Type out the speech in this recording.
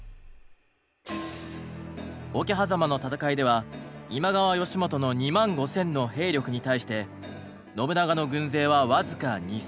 桶狭間の戦いでは今川義元の２万５，０００の兵力に対して信長の軍勢は僅か２，０００でした。